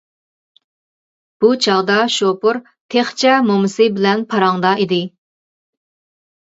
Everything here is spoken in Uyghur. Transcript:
بۇ چاغدا شوپۇر تېخىچە مومىسى بىلەن پاراڭدا ئىدى.